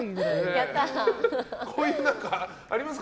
こういうのありますか？